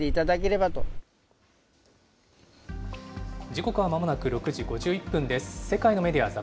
時刻はまもなく６時５１分です。